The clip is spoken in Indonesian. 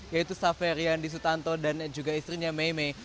yaitu saferian disutanto dan juga istrinya meimei